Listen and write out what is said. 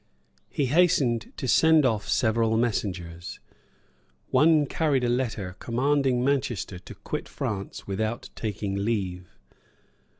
He hastened to send off several messengers. One carried a letter commanding Manchester to quit France without taking leave.